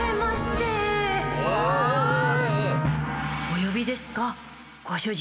およびですか？